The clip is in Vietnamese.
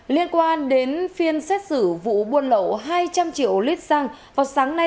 liên quan đến phiên xét xử vụ buôn lậu hai trăm linh triệu lít xăng vào sáng nay